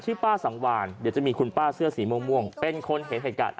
ป้าสังวานเดี๋ยวจะมีคุณป้าเสื้อสีม่วงเป็นคนเห็นเหตุการณ์